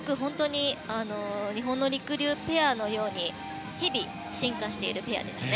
日本のりくりゅうペアのように日々進化しているペアですね。